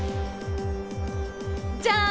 じゃん！